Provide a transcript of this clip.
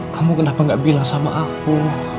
kamu kenapa gak bilang sama aku